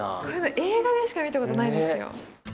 映画でしか見たことないですよ。